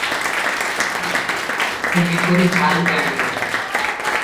ଦରର ଏହିପରି ହାଲ ଜାଣିବ ।